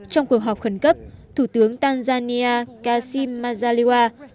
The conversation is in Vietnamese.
trong cuộc họp khẩn cấp thủ tướng tanzania kasim mazaliwa